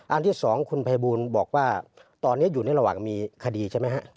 อันที่๒คุณภัยบูลบอกว่าตอนนี้อยู่ในระหว่างมีคดีใช่ไหมฮะ